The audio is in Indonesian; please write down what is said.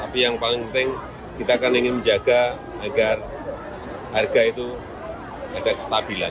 tapi yang paling penting kita akan ingin menjaga agar harga itu ada kestabilan